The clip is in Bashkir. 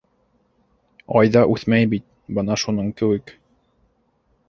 Айҙа үҫмәй бит - бына шуның кеүек.